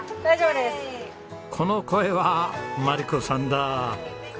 この声はまり子さんだ。